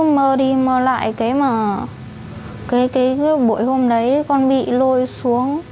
bị lôi xuống